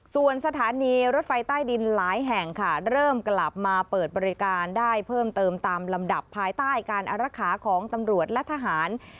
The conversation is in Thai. ส่วนสถานีรถไฟใต้ดินหลายแห่งค่ะเริ่มกลับมาเปิดบริการได้เพิ่มเติมตามลำดับภายใต้การอารักษาของตำรวจและทหาร